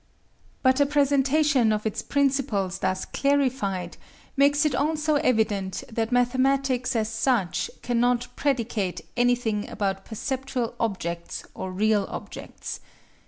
But a presentation of its principles thus clarified makes it also evident that mathematics as such cannot predicate anything about perceptual objects or real objects.